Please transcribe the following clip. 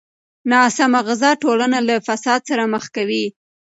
ناسمه غذا ټولنه له فساد سره مخ کوي.